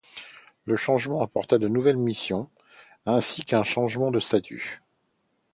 Le changement apporta de nouvelles missions, ainsi qu'un changement de statut.